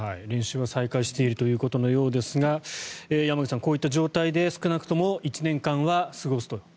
練習は再開しているようですが山口さん、こういった状態で少なくとも１年間過ごすと。